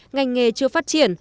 ngành nghề chưa phát triển